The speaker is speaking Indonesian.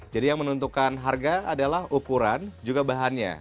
jadi yang menentukan harga adalah ukuran juga bahannya